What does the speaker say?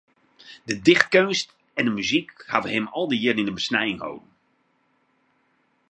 De dichtkeunst en de muzyk hawwe him al dy jierren yn de besnijing holden.